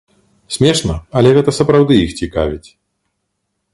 Смешна, але гэта сапраўды іх цікавіць.